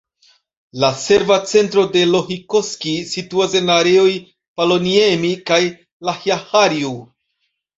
La serva centro de Lohikoski situas en areoj Paloniemi kaj Lahjaharju.